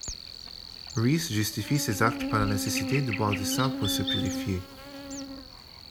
Reece justifie ses actes par la nécessité de boire du sang pour se purifier.